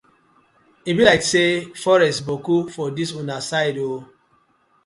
E bi layk say forest boku for dis una side oo?